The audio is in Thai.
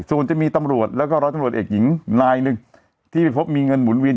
ส่วนจะมีตำรวจแล้วก็ร้อยตำรวจเอกหญิงนายหนึ่งที่ไปพบมีเงินหมุนเวีย